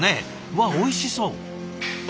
わあおいしそう。